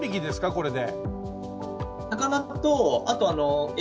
これで。